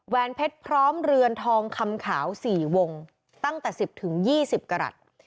แวนเพชรพร้อมเรือนทองคำขาว๔วงตั้งแต่๑๐๒๐กรัฐ